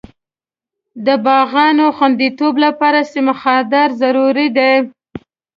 د باغونو خوندیتوب لپاره سیم خاردار ضرور دی.